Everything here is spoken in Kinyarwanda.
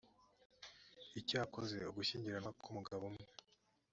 icyakora ugushyingiranwa k’umugabo umwe